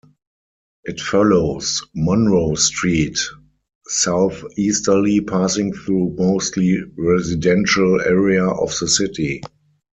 It follows Monroe Street southeasterly passing through mostly residential area of the city.